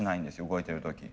動いてる時。